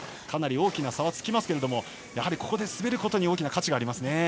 かなり大きな差はつきますがやはり、ここで滑ることに大きな価値がありますね。